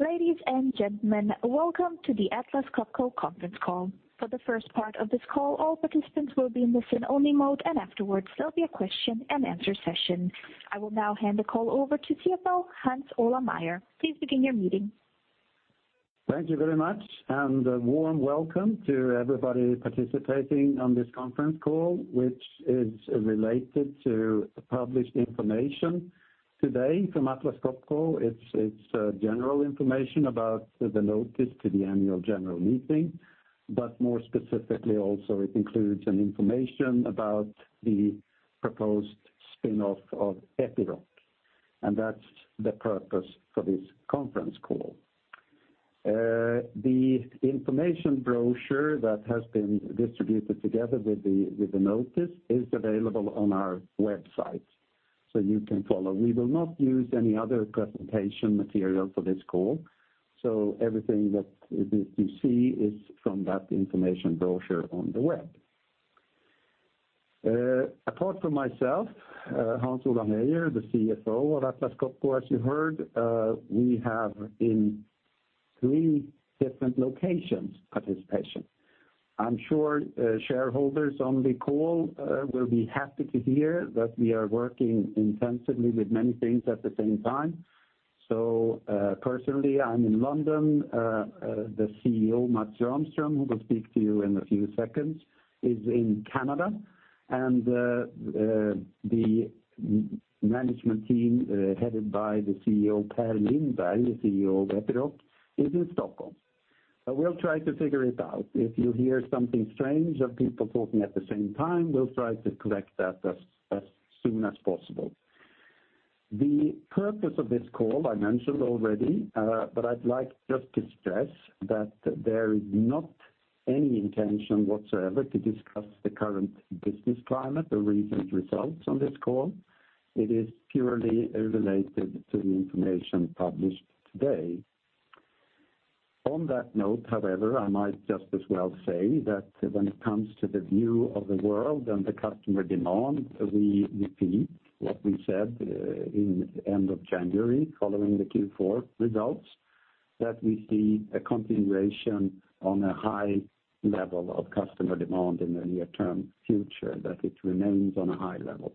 Ladies and gentlemen, welcome to the Atlas Copco conference call. For the first part of this call, all participants will be in listen only mode, and afterwards there'll be a question and answer session. I will now hand the call over to CFO Hans Ola Meyer. Please begin your meeting. Thank you very much, a warm welcome to everybody participating on this conference call, which is related to published information today from Atlas Copco. It's general information about the notice to the Annual General Meeting, but more specifically, it also includes some information about the proposed spin-off of Epiroc, and that's the purpose for this conference call. The information brochure that has been distributed together with the notice is available on our website, so you can follow. We will not use any other presentation material for this call, everything that you see is from that information brochure on the web. Apart from myself, Hans Ola Meyer, the CFO of Atlas Copco, as you heard, we have in three different locations participation. I'm sure shareholders on the call will be happy to hear that we are working intensively with many things at the same time. Personally, I'm in London. The CEO Mats Rahmström, who will speak to you in a few seconds, is in Canada, the management team, headed by the CEO Per Lindberg, the CEO of Epiroc, is in Stockholm. We'll try to figure it out. If you hear something strange of people talking at the same time, we'll try to correct that as soon as possible. The purpose of this call I mentioned already, I'd like just to stress that there is not any intention whatsoever to discuss the current business climate or recent results on this call. It is purely related to the information published today. On that note, however, I might just as well say that when it comes to the view of the world and the customer demand, we repeat what we said in the end of January following the Q4 results, that we see a continuation on a high level of customer demand in the near term future, that it remains on a high level.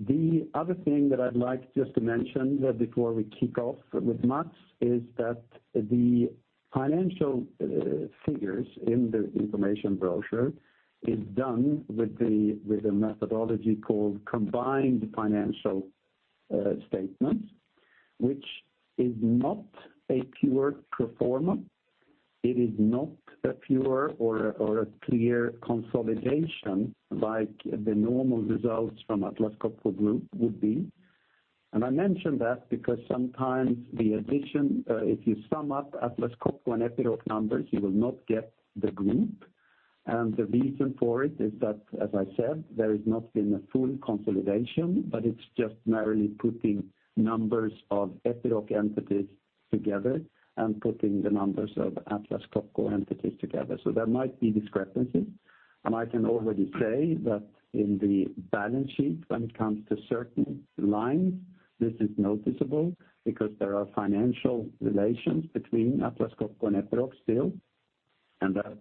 The other thing that I'd like just to mention before we kick off with Mats, is that the financial figures in the information brochure is done with a methodology called combined financial statements, which is not a pure pro forma. It is not a pure or a clear consolidation like the normal results from Atlas Copco Group would be. I mention that because sometimes the addition, if you sum up Atlas Copco and Epiroc numbers, you will not get the group. The reason for it is that, as I said, there has not been a full consolidation, but it's just merely putting numbers of Epiroc entities together and putting the numbers of Atlas Copco entities together. There might be discrepancies, and I can already say that in the balance sheet, when it comes to certain lines, this is noticeable because there are financial relations between Atlas Copco and Epiroc still, and that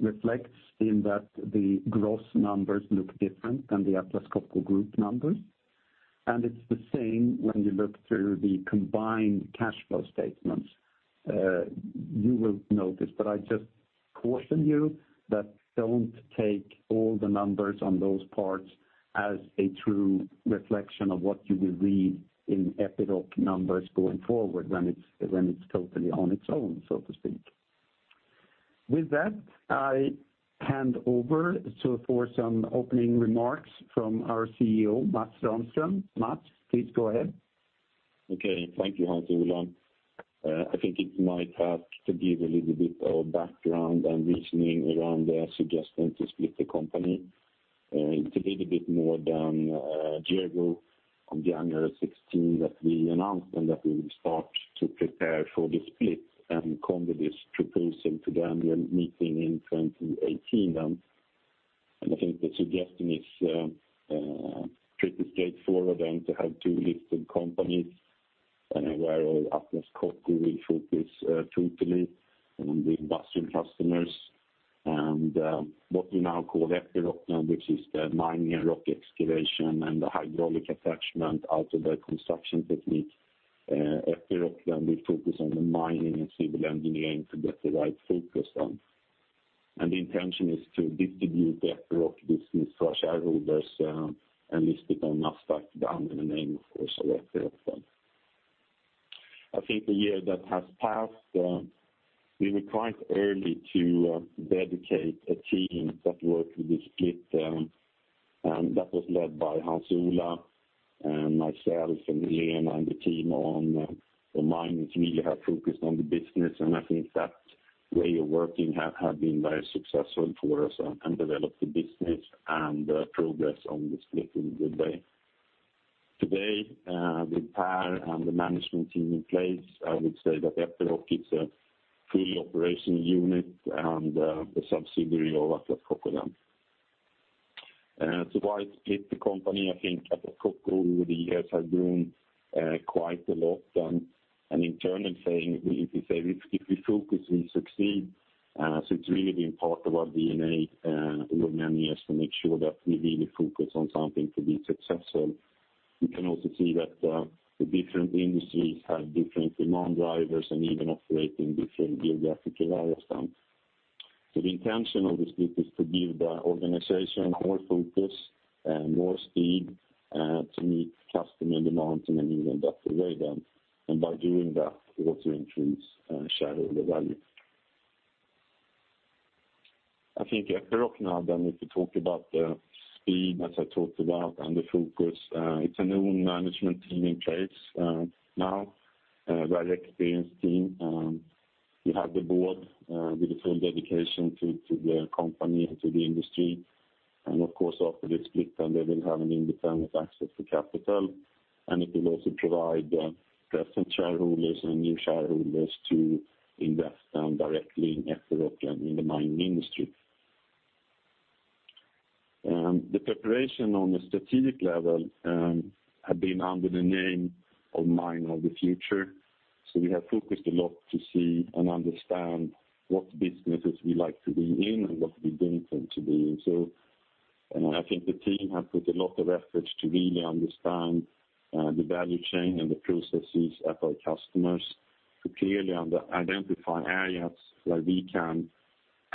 reflects in that the gross numbers look different than the Atlas Copco Group numbers. It's the same when you look through the combined cash flow statements. You will notice, but I just caution you that don't take all the numbers on those parts as a true reflection of what you will read in Epiroc numbers going forward when it's totally on its own, so to speak. With that, I hand over for some opening remarks from our CEO, Mats Rahmström. Mats, please go ahead. Okay. Thank you, Hans Ola. I think it might help to give a little bit of background and reasoning around the suggestion to split the company. It's a little bit more than a year ago, on January 16, that we announced that we will start to prepare for the split and come with this proposal to the annual meeting in 2018. I think the suggestion is pretty straightforward, to have two listed companies, where Atlas Copco will focus totally on the industrial customers and what we now call Epiroc, which is the mining and rock excavation and the hydraulic attachment, outdoor construction technique. Epiroc will focus on the mining and civil engineering to get the right focus. The intention is to distribute the Epiroc business to our shareholders and list it on NASDAQ under the name, also Epiroc. I think the year that has passed, we were quite early to dedicate a team that worked with the split. That was led by Hans Ola and myself and Lena. The team on the mining community have focused on the business. I think that way of working has been very successful for us, developed the business and progress on the split in a good way. Today with Per and the management team in place, I would say that Epiroc is a fully operational unit and a subsidiary of Atlas Copco. Why split the company? I think Atlas Copco over the years has grown quite a lot. An internal saying, we say, "If we focus, we succeed." It's really been part of our DNA over many years to make sure that we really focus on something to be successful. You can also see that the different industries have different demand drivers and even operate in different geographical areas then. The intention of the split is to give the organization more focus and more speed to meet customer demands in an even better way then, and by doing that, also increase shareholder value. If we talk about the speed, as I talked about, and the focus, it's a new management team in place now, a very experienced team. We have the board with a full dedication to the company and to the industry. Of course, after the split, then they will have an independent access to capital, and it will also provide present shareholders and new shareholders to invest directly in Epiroc and in the mining industry. The preparation on the strategic level have been under the name of Mine of the Future. We have focused a lot to see and understand what businesses we like to be in and what we don't want to be in. I think the team have put a lot of efforts to really understand the value chain and the processes at our customers to clearly identify areas where we can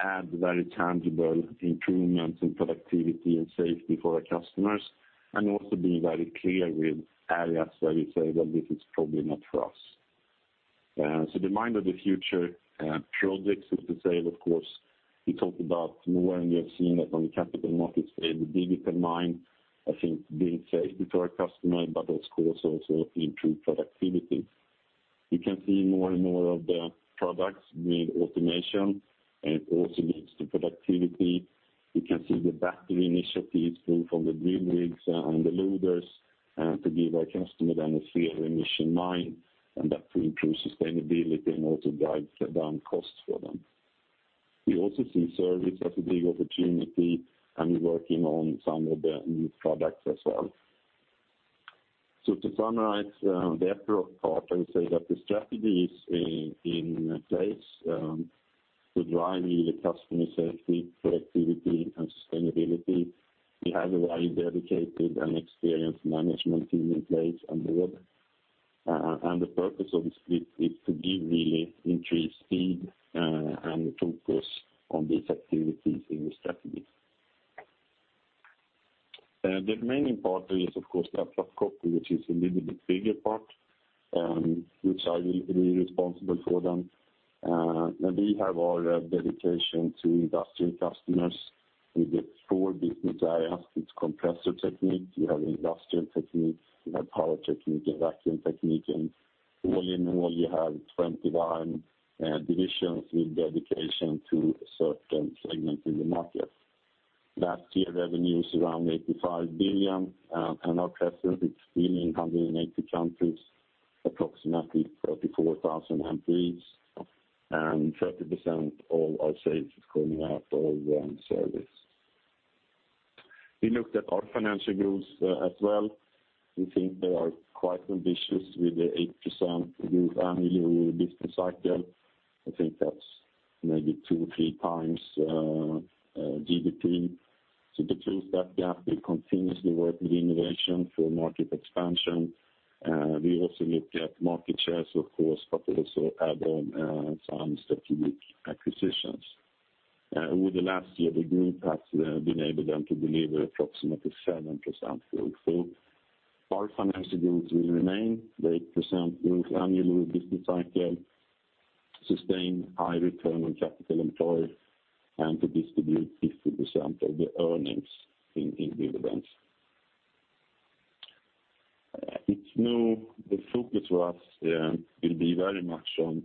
add very tangible improvements in productivity and safety for our customers, and also be very clear with areas where we say that this is probably not for us. The Mine of the Future projects is to say, of course, we talked about more and we have seen that on the capital markets, the digital mine, I think being safety for our customer, but of course also improve productivity. We can see more and more of the products with automation and also leads to productivity. We can see the battery initiatives both on the drill rigs and the loaders to give our customer then a zero emission mine, and that will improve sustainability and also drive down costs for them. We also see service as a big opportunity, and we're working on some of the new products as well. To summarize the Epiroc part, I would say that the strategy is in place to drive really customer safety, productivity, and sustainability. We have a very dedicated and experienced management team in place on the board. The purpose of the split is to give really increased speed and focus on these activities in the strategy. The main part is, of course, Atlas Copco, which is a little bit bigger part, which I will be responsible for then. We have our dedication to industrial customers with the four business areas, with Compressor Technique, we have Industrial Technique, we have Power Technique, Vacuum Technique, and all in all, you have 21 divisions with dedication to a certain segment in the market. Last year revenues around 85 billion, and our presence is really in 180 countries, approximately 34,000 employees, and 30% all our sales is coming out of service. We looked at our financial goals as well. We think they are quite ambitious with the 8% growth annually over the business cycle. I think that's maybe two, three times GDP. To achieve that gap, we continuously work with innovation for market expansion. We also look at market shares, of course, but also add on some strategic acquisitions. With the last year, the group has been able then to deliver approximately 7% growth. Our financial goals will remain 8% growth annually over the business cycle, sustain high return on capital employed, and to distribute 50% of the earnings in dividends. The focus for us will be very much on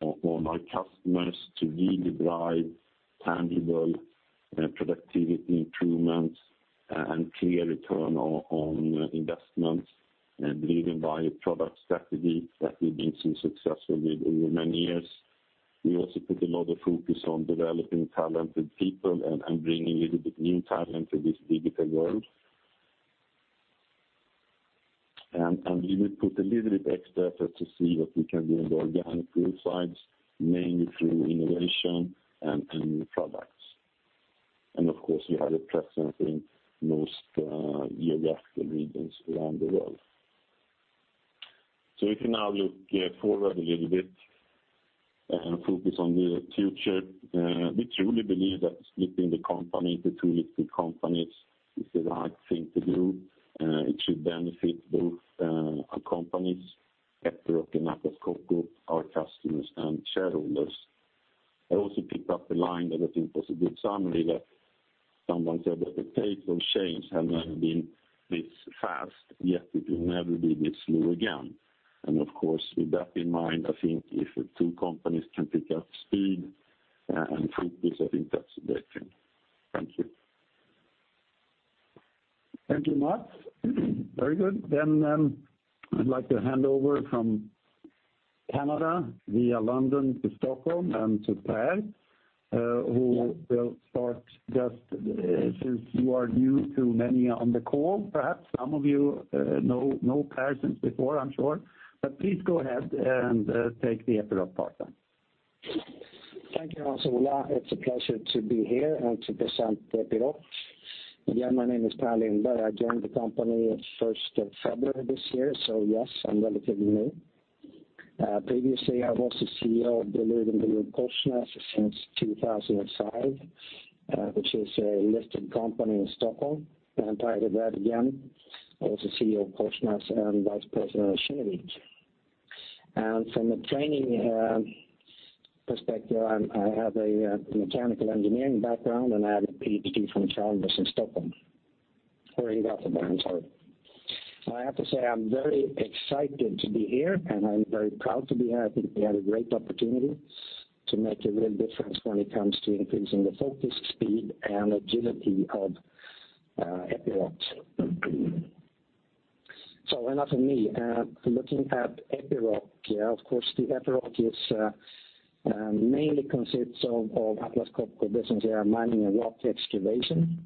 our customers to really drive tangible productivity improvements and clear return on investments and leading by a product strategy that we've been seeing success with over many years. We also put a lot of focus on developing talented people and bringing a little bit new talent to this digital world. We will put a little bit extra effort to see what we can do on the organic growth sides, mainly through innovation and new products. Of course, we have a presence in most geographical regions around the world. We can now look forward a little bit and focus on the future. We truly believe that splitting the company into two listed companies is the right thing to do. It should benefit both our companies, Epiroc and Atlas Copco, our customers, and shareholders. I also picked up a line that I think was a good summary that someone said that the pace of change has never been this fast, yet it will never be this slow again. Of course, with that in mind, I think if two companies can pick up speed and focus, I think that's a great thing. Thank you. Thank you, Mats. Very good. I'd like to hand over from Canada via London to Stockholm and to Per, who will start just since you are new to many on the call. Perhaps some of you know Per since before, I'm sure. Please go ahead and take the Epiroc part then. Thank you, Hans Ola. It's a pleasure to be here and to present Epiroc. My name is Per Lindberg. I joined the company at 1st of February this year. Yes, I'm relatively new. Previously, I was the CEO of the leading group, Korsnäs since 2005, which is a listed company in Stockholm. Prior to that, again, I was the CEO of Korsnäs and Vice President of [Shenali]. From a training perspective, I have a mechanical engineering background, and I have a PhD from Chalmers in Stockholm or in Gothenburg, I'm sorry. I have to say, I'm very excited to be here, and I'm very proud to be here. I think we have a great opportunity to make a real difference when it comes to increasing the focus, speed, and agility of Epiroc. Enough of me. Looking at Epiroc. Of course, the Epiroc is mainly consists of Atlas Copco business area Mining and Rock Excavation,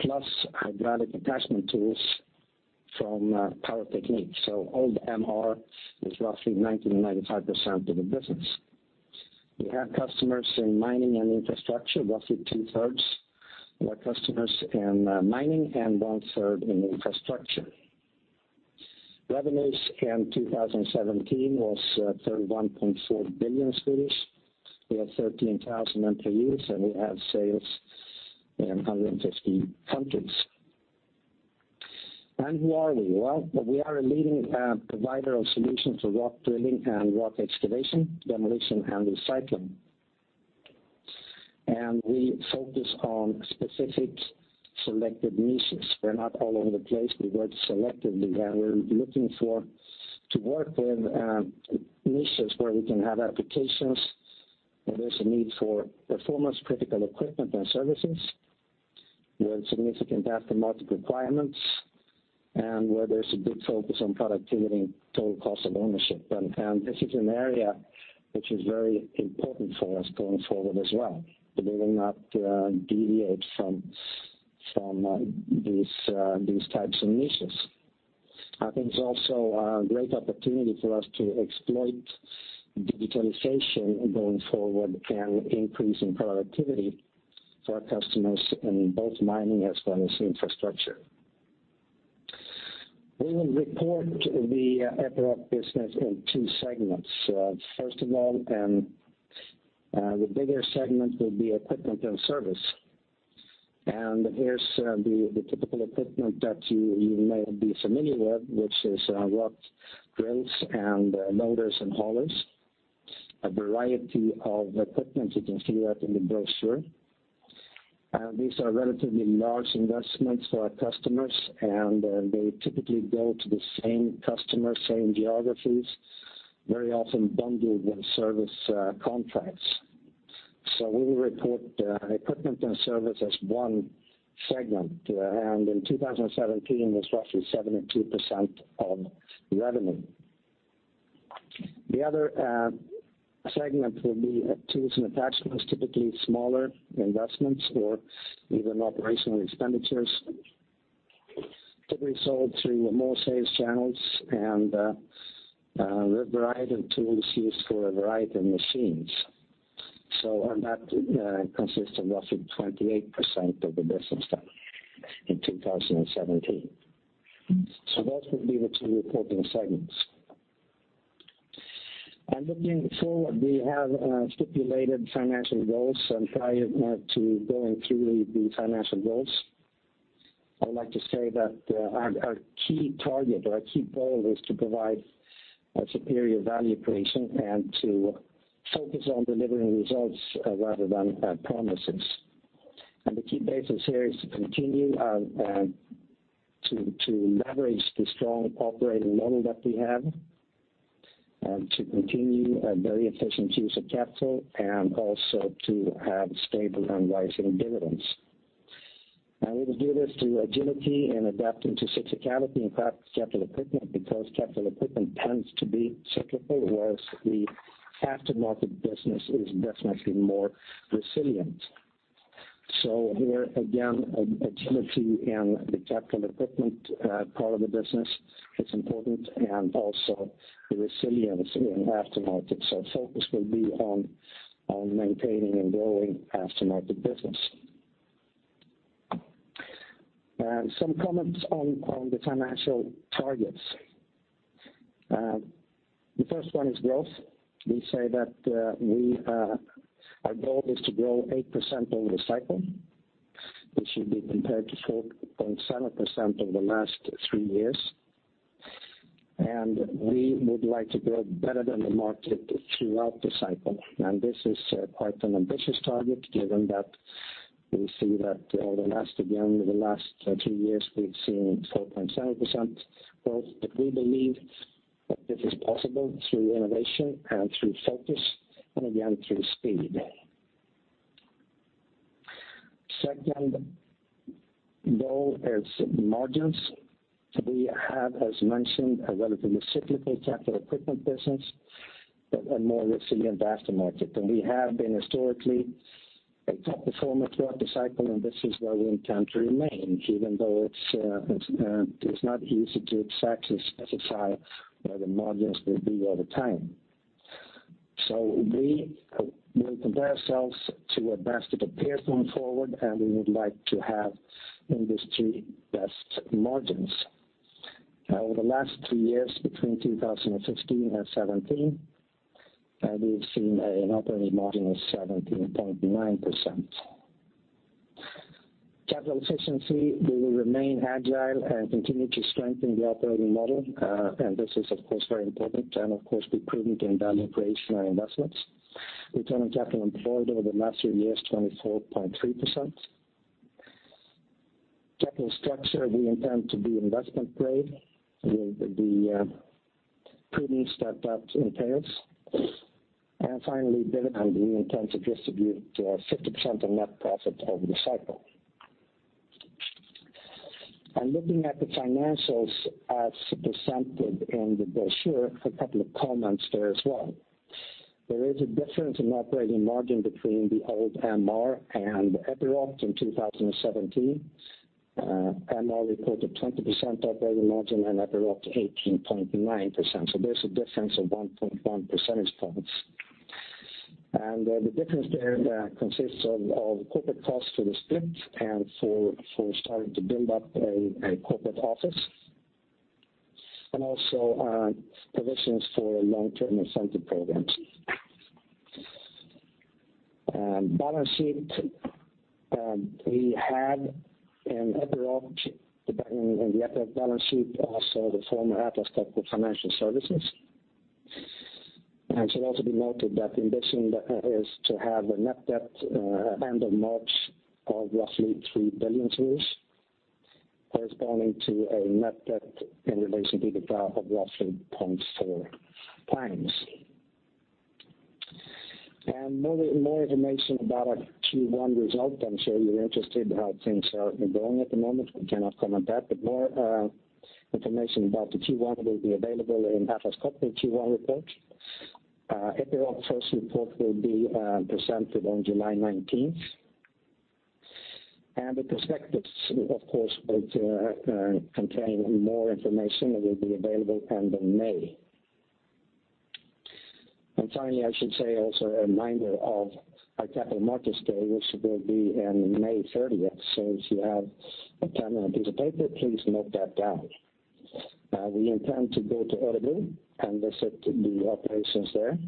plus Hydraulic Attachment Tools from Power Technique. Old MR is roughly 90%-95% of the business. We have customers in mining and infrastructure, roughly two-thirds of our customers in mining and one-third in infrastructure. Revenues in 2017 was 31.4 billion. We have 13,000 employees, and we have sales in 150 countries. Who are we? Well, we are a leading provider of solutions for rock drilling and rock excavation, demolition, and recycling. We focus on specific selected niches. We're not all over the place. We work selectively, and we're looking to work in niches where we can have applications where there's a need for performance critical equipment and services, where significant aftermarket requirements, and where there's a big focus on productivity and total cost of ownership. This is an area which is very important for us going forward as well. We will not deviate from these types of niches. I think it's also a great opportunity for us to exploit digitalization going forward and increase in productivity for our customers in both mining as well as infrastructure. We will report the Epiroc business in two segments. First of all, the bigger segment will be equipment and service. Here's the typical equipment that you may be familiar with, which is rock drills and loaders and haulers, a variety of equipment. You can see that in the brochure. These are relatively large investments for our customers, and they typically go to the same customer, same geographies, very often bundled with service contracts. We report equipment and service as one segment. In 2017, it was roughly 72% of revenue. The other segment will be tools and attachments, typically smaller investments or even operational expenditures, typically sold through more sales channels and a variety of tools used for a variety of machines. That consists of roughly 28% of the business in 2017. Those will be the two reporting segments. Looking forward, we have stipulated financial goals and prior to going through the financial goals, I would like to say that our key target or our key goal is to provide a superior value creation and to focus on delivering results rather than promises. The key basis here is to continue to leverage the strong operating model that we have and to continue a very efficient use of capital and also to have stable and rising dividends. We will do this through agility and adapting to cyclicality in capital equipment, because capital equipment tends to be cyclical, whereas the aftermarket business is definitely more resilient. Here again, agility in the capital equipment part of the business is important and also the resilience in aftermarket. Focus will be on maintaining and growing aftermarket business. Some comments on the financial targets. The first one is growth. We say that our goal is to grow 8% over the cycle, which should be compared to 4.7% over the last three years. We would like to grow better than the market throughout the cycle. This is quite an ambitious target given that we see that over the last three years we've seen 4.7% growth. We believe that this is possible through innovation and through focus and again, through speed. Second goal is margins. We have, as mentioned, a relatively cyclical capital equipment business and more resilient aftermarket. We have been historically a top performer throughout the cycle, and this is where we intend to remain, even though it's not easy to exactly specify where the margins will be over time. We will compare ourselves to our best-of-the-peer going forward, and we would like to have industry-best margins. Over the last 3 years, between 2016 and 2017, we've seen an operating margin of 17.9%. Capital efficiency, we will remain agile and continue to strengthen the operating model. This is, of course, very important and we're prudent in value creation and investments. Return on capital employed over the last 3 years, 24.3%. Capital structure, we intend to be investment grade with the prudence that entails. Finally, dividend, we intend to distribute 50% of net profit over the cycle. Looking at the financials as presented in the brochure, a couple of comments there as well. There is a difference in operating margin between the old MR and Epiroc in 2017. MR reported 20% operating margin and Epiroc 18.9%, so there's a difference of 1.1 percentage points. The difference there consists of corporate costs for the split and for starting to build up a corporate office, and also provisions for long-term incentive programs. Balance sheet, we had in the Epiroc balance sheet, also the former Atlas Copco Financial Services. Should also be noted that the intention is to have a net debt at end of March of roughly SEK 3 billion, corresponding to a net debt in relation to the group of roughly 0.4 times. More information about our Q1 result. I'm sure you're interested how things are going at the moment. We cannot comment that, more information about the Q1 will be available in Atlas Copco Q1 report. Epiroc's first report will be presented on July 19th. The prospectus, of course, will contain more information that will be available end of May. Finally, I should say also a reminder of our Capital Markets Day, which will be on May 30th. If you have a time and a piece of paper, please note that down. We intend to go to Edinburgh and visit the operations there.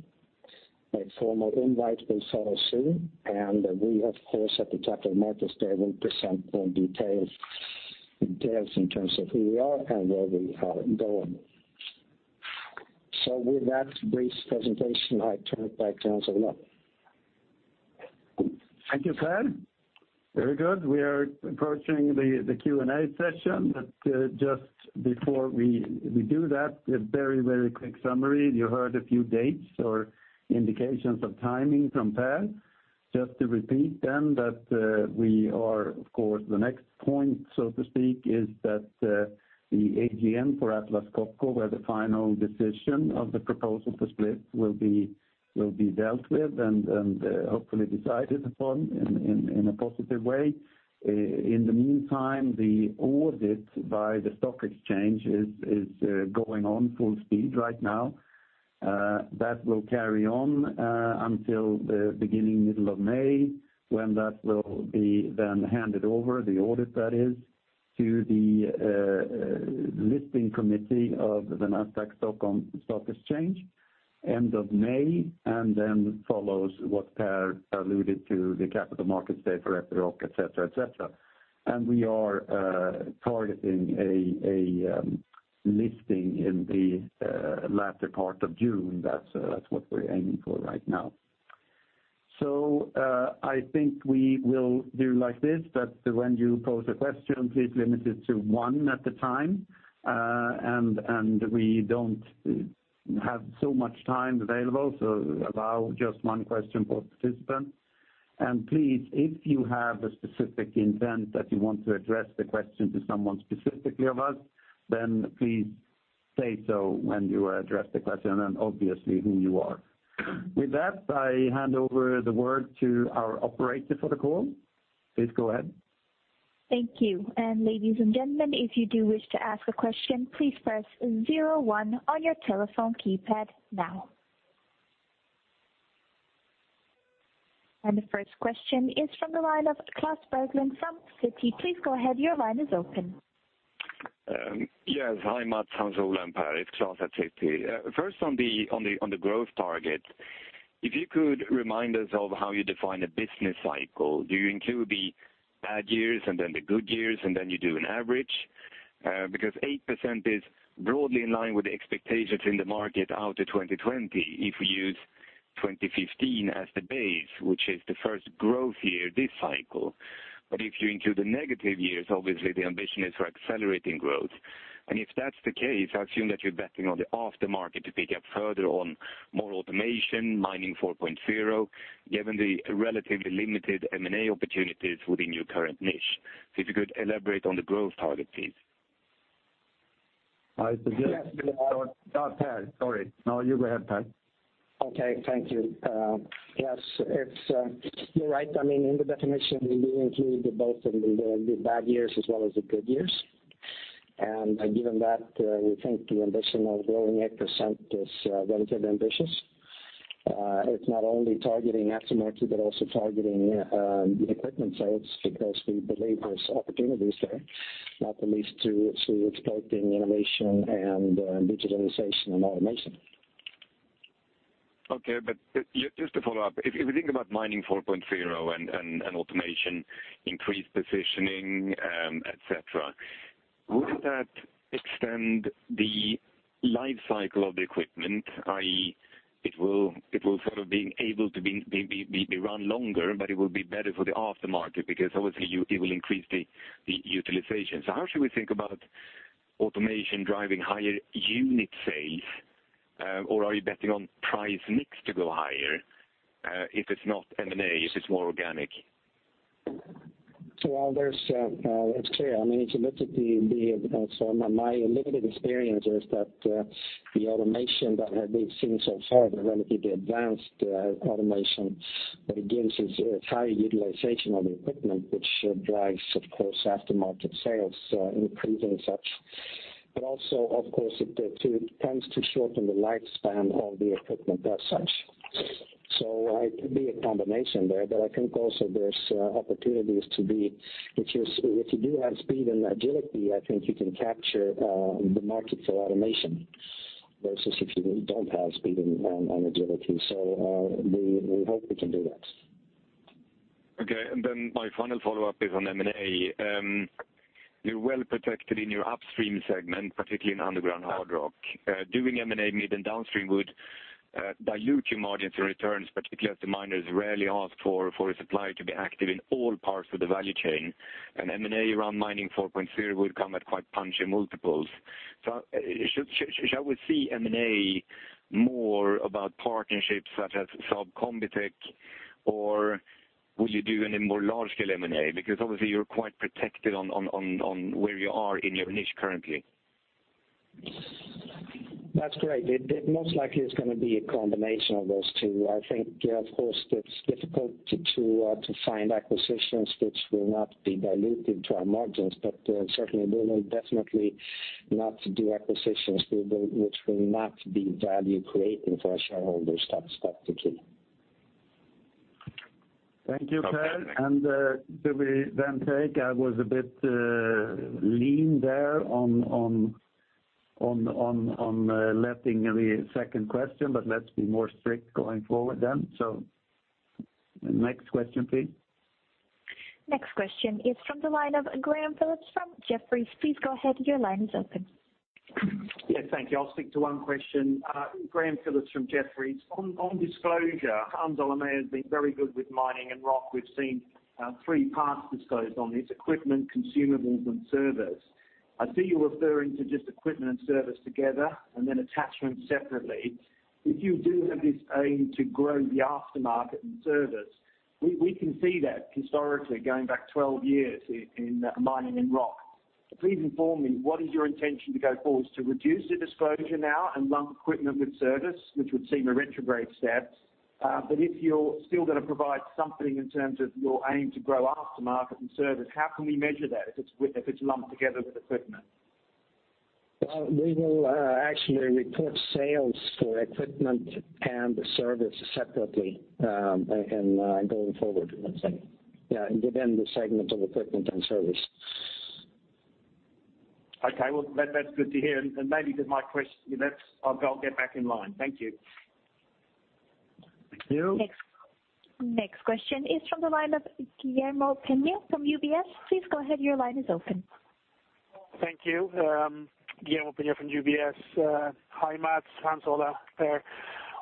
A formal invite will follow soon, and we, of course, at the Capital Markets Day, will present more details in terms of who we are and where we are going. With that brief presentation, I turn it back to Hans Ola Meyer. Thank you, Per. Very good. We are approaching the Q&A session, just before we do that, a very quick summary. You heard a few dates or indications of timing from Per. Just to repeat them, that we are, of course, the next point, so to speak, is that the AGM for Atlas Copco, where the final decision of the proposal to split will be dealt with and hopefully decided upon in a positive way. In the meantime, the audit by the stock exchange is going on full speed right now. That will carry on until the beginning, middle of May, when that will be then handed over, the audit that is, to the listing committee of the Nasdaq Stockholm stock exchange, end of May, then follows what Per alluded to, the Capital Markets Day for Epiroc, et cetera. We are targeting a listing in the latter part of June. That's what we're aiming for right now. I think we will do like this, that when you pose a question, please limit it to one at a time. We don't have so much time available, so allow just one question per participant. Please, if you have a specific intent that you want to address the question to someone specifically of us, then please say so when you address the question and obviously who you are. With that, I hand over the word to our operator for the call. Please go ahead. Thank you. Ladies and gentlemen, if you do wish to ask a question, please press 01 on your telephone keypad now. The first question is from the line of Klas Bergelind from Citi. Please go ahead, your line is open. Yes. Hi, Mats, Hans Ola, and Per. It's Klas at Citi. First, on the growth target, if you could remind us of how you define a business cycle. Do you include the bad years and then the good years, and then you do an average? Because 8% is broadly in line with the expectations in the market out to 2020 if we use 2015 as the base, which is the first growth year this cycle. If you include the negative years, obviously the ambition is for accelerating growth. If that's the case, I assume that you're betting on the aftermarket to pick up further on more automation, Mining 4.0, given the relatively limited M&A opportunities within your current niche. If you could elaborate on the growth target, please. I suggest- Yes. Oh, Per. Sorry. No, you go ahead, Per. Okay. Thank you. Yes. You're right. In the definition, we include both the bad years as well as the good years. Given that, we think the ambition of growing 8% is relatively ambitious. It's not only targeting aftermarket, but also targeting the equipment sales, because we believe there's opportunities there, not the least to exploiting innovation and digitalization and automation. Okay. Just to follow up, if we think about Mining 4.0 and automation, increased positioning, et cetera, wouldn't that extend the life cycle of the equipment, i.e., it will be able to be run longer, but it will be better for the aftermarket because obviously it will increase the utilization. How should we think about automation driving higher unit sales? Are you betting on price mix to go higher, if it's not M&A, if it's more organic? It's clear. My limited experience is that the automation that we've seen so far, the relatively advanced automation, what it gives is higher utilization of the equipment, which drives, of course, aftermarket sales increase and such. Also, of course, it tends to shorten the lifespan of the equipment as such. It could be a combination there, I think also there's opportunities to be, if you do have speed and agility, I think you can capture the market for automation, versus if you don't have speed and agility. We hope we can do that. Okay, my final follow-up is on M&A. You are well-protected in your upstream segment, particularly in underground hard rock. Doing M&A mid and downstream would dilute your margins and returns, particularly as the miners rarely ask for a supplier to be active in all parts of the value chain. M&A around Mining 4.0 would come at quite punchy multiples. Shall we see M&A more about partnerships such as Sandvik CombiTech, or will you do any more large scale M&A? Obviously you are quite protected on where you are in your niche currently. That is correct. It most likely is going to be a combination of those two. I think, of course, it is difficult to find acquisitions which will not be dilutive to our margins, but certainly we will definitely not do acquisitions which will not be value-creating for our shareholders. That is the key. Thank you, Per. Do we then take, I was a bit lean there on letting the second question, let us be more strict going forward then. Next question, please. Next question is from the line of Graham Phillips from Jefferies. Please go ahead, your line is open. Thank you. I'll stick to one question. Graham Phillips from Jefferies. On disclosure, Hans-Ola may have been very good with mining and rock. We've seen three parts disclosed on this: equipment, consumables, and service. I see you referring to just equipment and service together, and then attachments separately. If you do have this aim to grow the aftermarket and service, we can see that historically going back 12 years in mining and rock. Please inform me, what is your intention to go forward? To reduce the disclosure now and lump equipment with service, which would seem a retrograde step? If you're still going to provide something in terms of your aim to grow aftermarket and service, how can we measure that if it's lumped together with equipment? Well, we will actually report sales for equipment and service separately going forward, let's say. Within the segment of equipment and service. Okay. Well, that's good to hear. Maybe then my question. I'll get back in line. Thank you. Thank you. Next question is from the line of Guillermo Peigneux-Lojo from UBS. Please go ahead, your line is open. Thank you. Guillermo Peigneux-Lojo from UBS. Hi, Mats, Hans Ola, Per.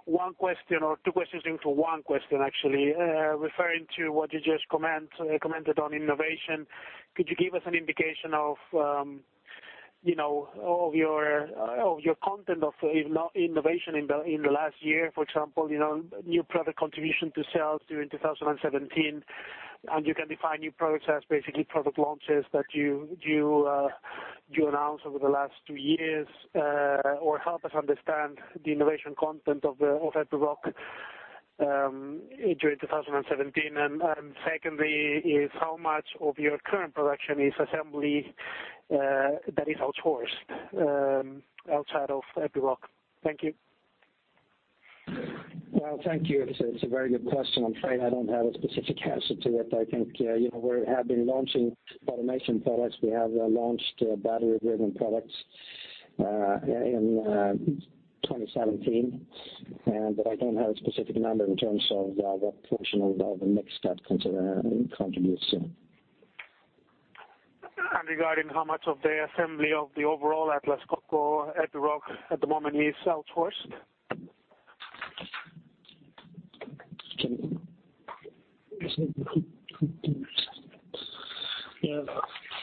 One question or two questions into one question, actually. Referring to what you just commented on innovation, could you give us an indication of your content of innovation in the last year, for example, new product contribution to sales during 2017, and you can define new products as basically product launches that you announced over the last two years, or help us understand the innovation content of Epiroc during 2017. Secondly is how much of your current production is assembly that is outsourced outside of Epiroc? Thank you. Well, thank you. It's a very good question. I'm afraid I don't have a specific answer to it. I think we have been launching automation products. We have launched battery-driven products in 2017. I don't have a specific number in terms of what portion of the mix that contributes to. Regarding how much of the assembly of the overall Atlas Copco, Epiroc at the moment is outsourced?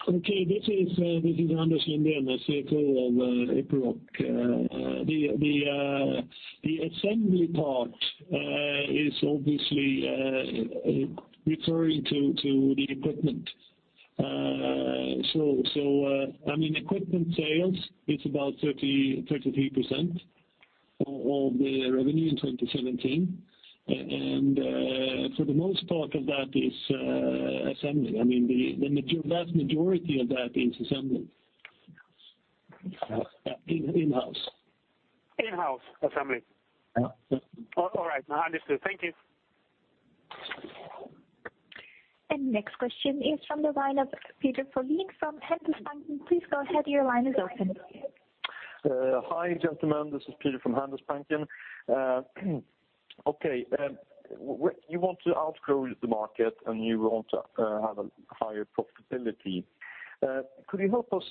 Okay. This is Anders Lindén, CFO of Epiroc. The assembly part is obviously referring to the equipment. Equipment sales, it is about 33% of the revenue in 2017. For the most part of that is assembly. The vast majority of that is assembly. In-house. In-house assembly? Yeah. All right. Understood. Thank you. Next question is from the line of Peter Folling from Handelsbanken. Please go ahead, your line is open. Hi, gentlemen. This is Peter from Handelsbanken. Okay. You want to outgrow the market, and you want to have a higher profitability. Could you help us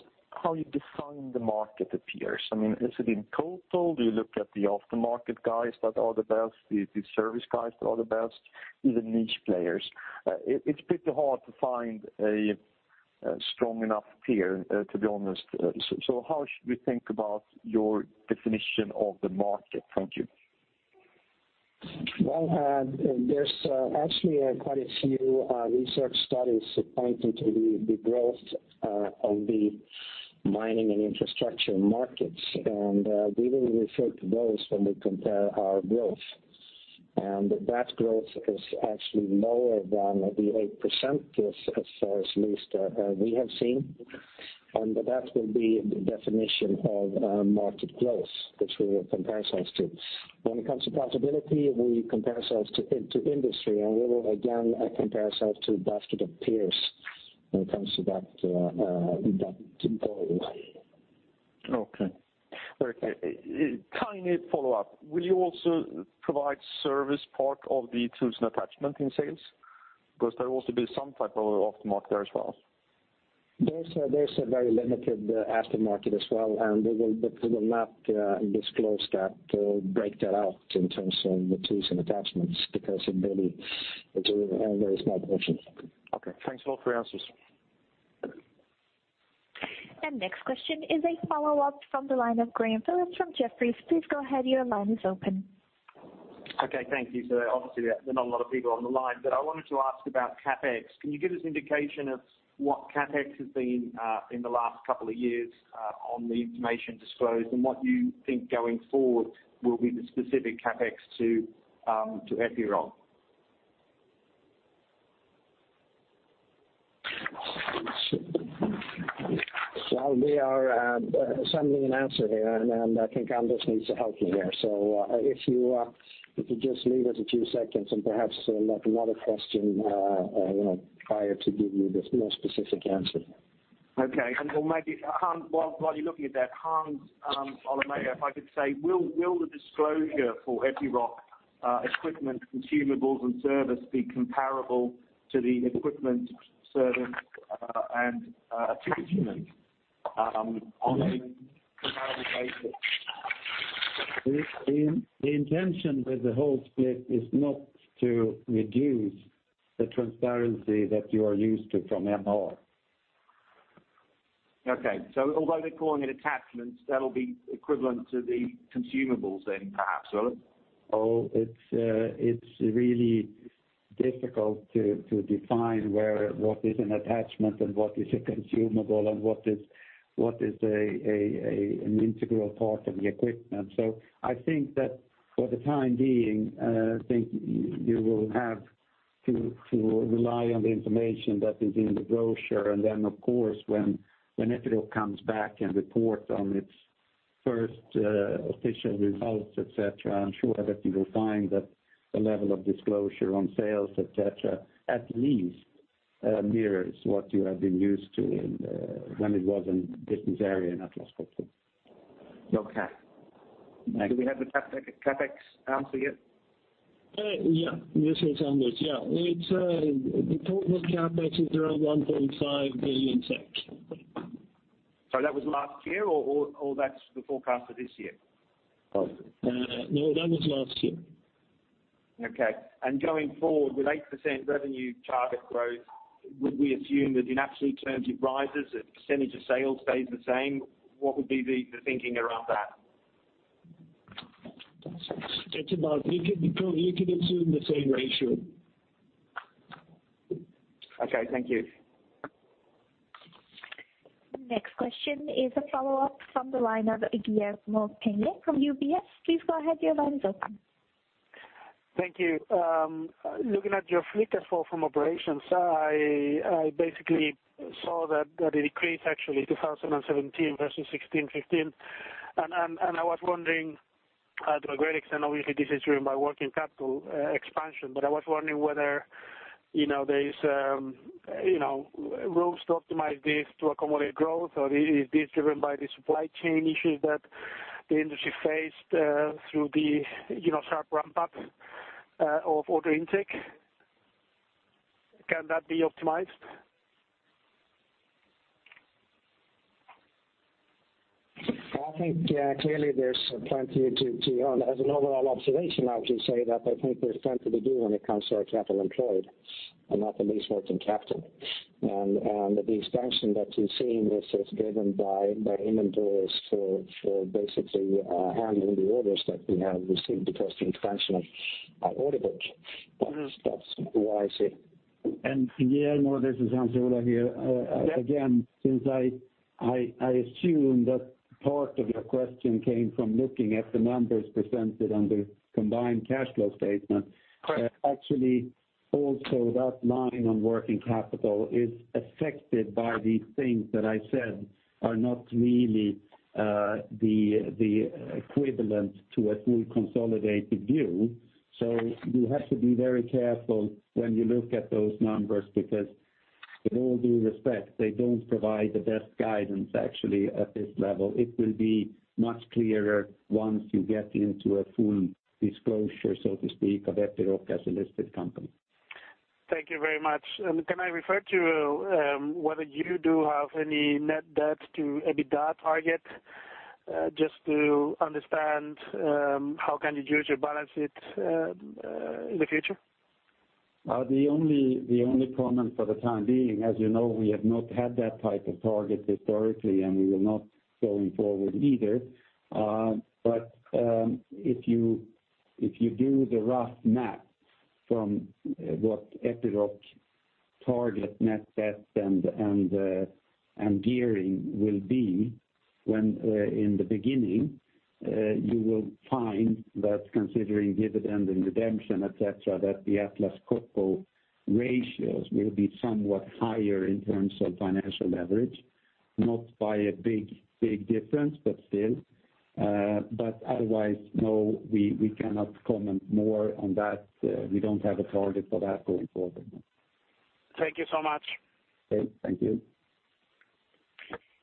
how you define the market appearance? Is it in total? Do you look at the aftermarket guys that are the best, the service guys that are the best, even niche players? It's pretty hard to find a strong enough peer, to be honest. How should we think about your definition of the market? Thank you. Well, there's actually quite a few research studies pointing to the growth of the mining and infrastructure markets, and we will refer to those when we compare our growth. That growth is actually lower than the 8% as far as least we have seen. That will be the definition of market growth, which we will compare ourselves to. When it comes to profitability, we compare ourselves to industry, and we will again compare ourselves to basket of peers when it comes to that deployment. Okay. Very clear. Tiny follow-up. Will you also provide service part of the tools and attachment in sales? There will also be some type of aftermarket as well. There's a very limited aftermarket as well, and we will not disclose that or break that out in terms of the tools and attachments, because it's a very small portion. Thanks a lot for your answers. Next question is a follow-up from the line of Graham Phillips from Jefferies. Please go ahead, your line is open. Thank you. Obviously there are not a lot of people on the line, but I wanted to ask about CapEx. Can you give us indication of what CapEx has been in the last couple of years on the information disclosed, and what you think going forward will be the specific CapEx to Epiroc? We are assembling an answer here, and I think Anders needs to help me here. If you could just leave us a few seconds and perhaps let another question prior to give you the more specific answer. Okay. While you're looking at that, Hans-Ola Meyer, if I could say, will the disclosure for Epiroc equipment, consumables, and service be comparable to the equipment service and attachment on a comparable basis? The intention with the whole split is not to reduce the transparency that you are used to from Epiroc. Okay. Although they're calling it attachments, that'll be equivalent to the consumables then perhaps? Oh, it's really difficult to define what is an attachment and what is a consumable and what is an integral part of the equipment. I think that for the time being, I think you will have to rely on the information that is in the brochure, and then of course, when Epiroc comes back and reports on its first official results, et cetera, I'm sure that you will find that the level of disclosure on sales, et cetera, at least mirrors what you have been used to when it was in Business Area in Atlas Copco. Okay. Thanks. Do we have the CapEx answer yet? Yeah. This is Anders. Yeah. The total CapEx is around 1.5 billion, thanks. That was last year or that's the forecast for this year? No, that was last year. Okay. Going forward with 8% revenue target growth, would we assume that in absolute terms it rises, that percentage of sales stays the same? What would be the thinking around that? You could assume the same ratio. Okay, thank you. Next question is a follow-up from the line of Guillermo Peigneux-Lojo from UBS. Please go ahead, your line is open. Thank you. Looking at your free cash flow from operations, I basically saw that it decreased actually, 2017 versus 2016, 2015. I was wondering to a great extent, obviously this is driven by working capital expansion, but I was wondering whether there is rooms to optimize this to accommodate growth, or is this driven by the supply chain issues that the industry faced through the sharp ramp-up of order intake? Can that be optimized? I think clearly there's plenty. As an overall observation, I would say that I think there's plenty to do when it comes to our capital employed, and not the least working capital. The expansion that you're seeing is driven by inventories for basically handling the orders that we have received because the expansion of our order book. That's why I say. Yeah, no, this is Hans Ola here. Yeah. Again, since I assume that part of your question came from looking at the numbers presented under combined cash flow statement. Correct. Actually, also that line on working capital is affected by these things that I said are not really the equivalent to a full consolidated view. You have to be very careful when you look at those numbers because with all due respect, they don't provide the best guidance actually at this level. It will be much clearer once you get into a full disclosure, so to speak, of Epiroc as a listed company. Thank you very much. Can I refer to whether you do have any net debt to EBITDA target? Just to understand how can you usually balance it in the future? The only comment for the time being, as you know, we have not had that type of target historically, and we will not going forward either. If you do the rough math from what Epiroc target net debt and gearing will be when in the beginning, you will find that considering dividend and redemption, et cetera, that the Atlas Copco ratios will be somewhat higher in terms of financial leverage, not by a big difference, but still. Otherwise, no, we cannot comment more on that. We don't have a target for that going forward. Thank you so much. Okay. Thank you.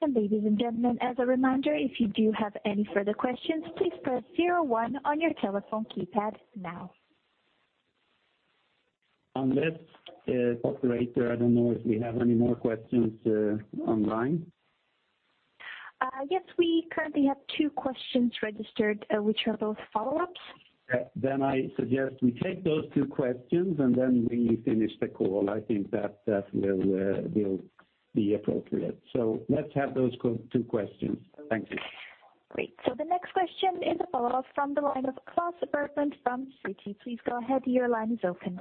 Ladies and gentlemen, as a reminder, if you do have any further questions, please press zero one on your telephone keypad now. Unless, operator, I don't know if we have any more questions online. Yes, we currently have two questions registered, which are both follow-ups. I suggest we take those two questions, we finish the call. I think that will be appropriate. Let's have those two questions. Thank you. Great. The next question is a follow-up from the line of Klas Bergelind from Citi. Please go ahead, your line is open.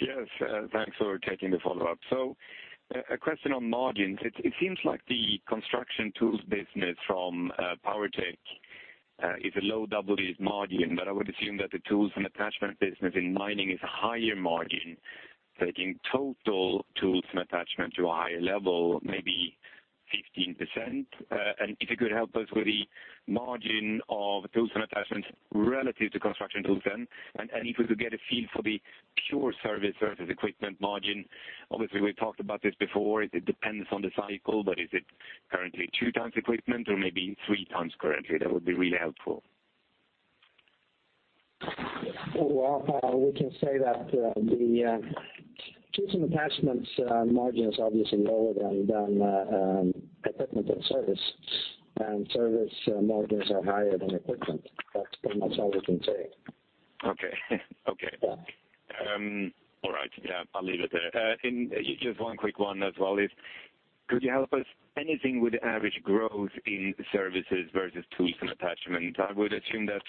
Yes, thanks for taking the follow-up. A question on margins. It seems like the Construction Tools business from Power Technique is a low double digits margin, but I would assume that the tools and attachment business in mining is a higher margin, taking total tools and attachment to a higher level, maybe 15%. If you could help us with the margin of tools and attachments relative to Construction Tools then, if we could get a feel for the pure service versus equipment margin. Obviously, we've talked about this before, it depends on the cycle, but is it currently two times equipment or maybe three times currently? That would be really helpful. We can say that the tools and attachments margin is obviously lower than equipment and service margins are higher than equipment. That's pretty much all we can say. Okay. All right. Yeah, I'll leave it there. Just one quick one as well is, could you help us anything with average growth in services versus tools and attachments? I would assume that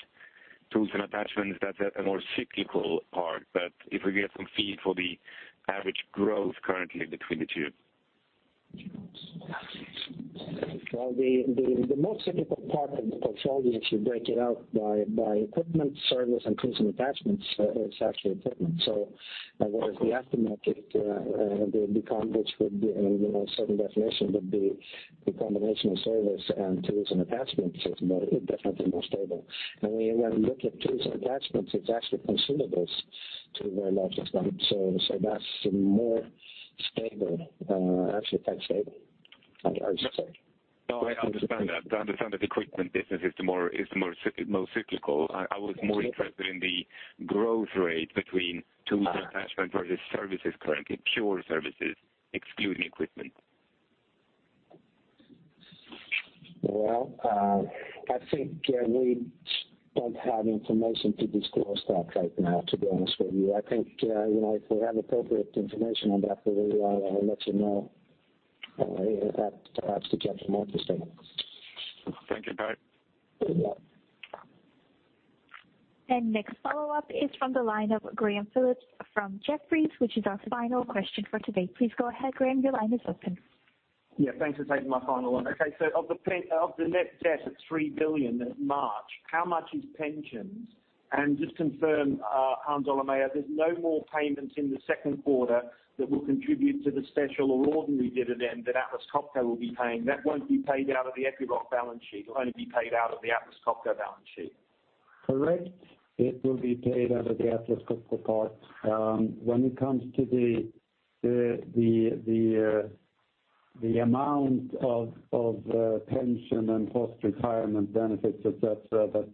tools and attachments, that's a more cyclical part, but if we get some feed for the average growth currently between the two. The most cyclical part of the portfolio, if you break it out by equipment service and tools and attachments, is actually equipment. Whereas the aftermarket, the combination would be, in a certain definition, would be the combination of service and tools and attachments is definitely more stable. When you look at tools and attachments, it's actually consumables to a very large extent. That's more stable. Actually quite stable, I would say. I understand that. I understand that the equipment business is the more cyclical. I was more interested in the growth rate between tools and attachment versus services currently, pure services excluding equipment. I think we don't have information to disclose that right now, to be honest with you. I think, if we have appropriate information on that, we will let you know at perhaps the Capital Markets Day. Thank you. Bye. Yeah. Next follow-up is from the line of Graham Phillips from Jefferies, which is our final question for today. Please go ahead, Graham, your line is open. Yeah, thanks for taking my final one. Okay, of the net debt at 3 billion in March, how much is pensions? And just confirm, Hans Ola Meyer, there's no more payment in the second quarter that will contribute to the special or ordinary dividend that Atlas Copco will be paying. That won't be paid out of the Epiroc balance sheet. It'll only be paid out of the Atlas Copco balance sheet. Correct. It will be paid out of the Atlas Copco part. When it comes to the amount of pension and post-retirement benefits, et cetera, but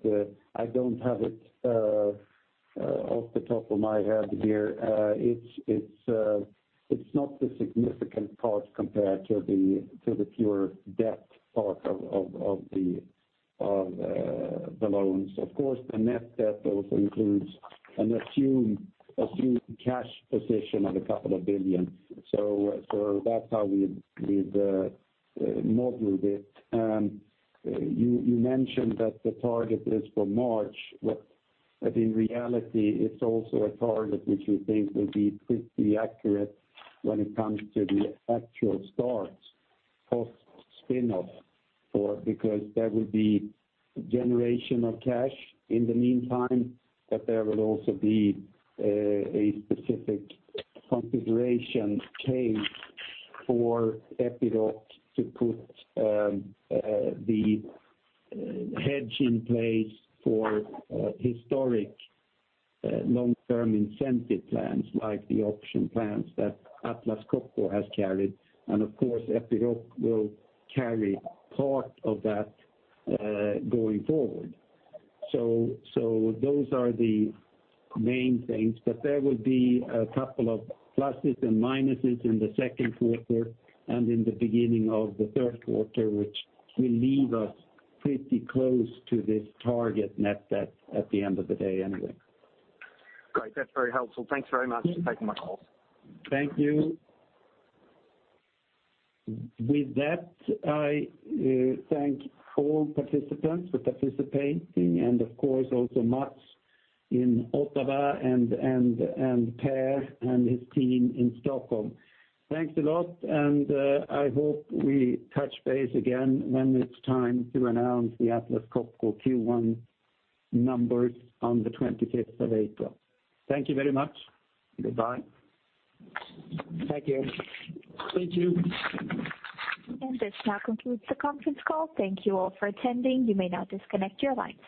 I don't have it off the top of my head here, it's not a significant part compared to the pure debt part of the loans. Of course, the net debt also includes an assumed cash position of a couple of SEK billion. That's how we've modeled it. You mentioned that the target is for March, but in reality, it's also a target which we think will be pretty accurate when it comes to the actual start post-spin-off, because there will be generation of cash in the meantime, but there will also be a specific configuration case for Epiroc to put the hedge in place for historic long-term incentive plans, like the option plans that Atlas Copco has carried. Of course, Epiroc will carry part of that going forward. Those are the main things. There will be a couple of pluses and minuses in the second quarter and in the beginning of the third quarter, which will leave us pretty close to this target net debt at the end of the day anyway. Great. That's very helpful. Thanks very much for taking my call. Thank you. With that, I thank all participants for participating, and of course, also Mats in Ottawa and Per and his team in Stockholm. Thanks a lot, and I hope we touch base again when it's time to announce the Atlas Copco Q1 numbers on the 25th of April. Thank you very much. Goodbye. Thank you. Thank you. This now concludes the conference call. Thank you all for attending. You may now disconnect your lines.